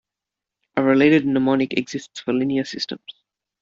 A related mnemonic exists for linear systems.